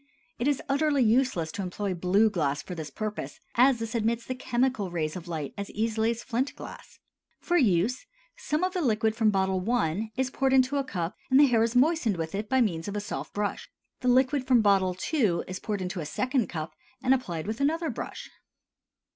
It is utterly useless to employ blue glass for this purpose, as this admits the chemical rays of light as easily as flint glass. For use, some of the liquid from bottle I. is poured into a cup and the hair is moistened with it by means of a soft brush. The liquid from bottle II. is poured into a second cup and applied with another brush.